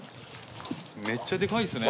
めっちゃでかいですね。